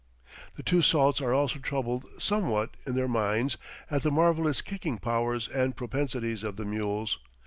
The two salts are also troubled somewhat in their minds at the marvellous kicking powers and propensities of the mules.